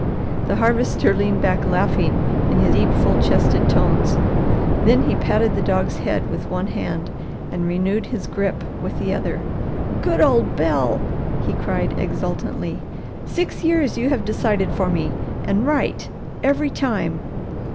The Harvester leaned back laughing in deep, full chested tones; then he patted the dog's head with one hand and renewed his grip with the other. "Good old Bel!" he cried exultantly. "Six years you have decided for me, and right every time!